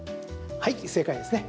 はい、正解ですね。